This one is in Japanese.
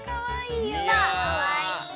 かわいいよ。